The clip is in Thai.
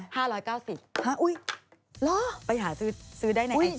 ห้าอุ๊ยล้อไปหาซื้อได้ไหนไอจรีก